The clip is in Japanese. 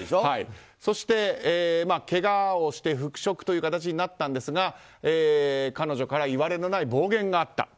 そして、けがをして復職という形になったんですが彼女からいわれのない暴言があった。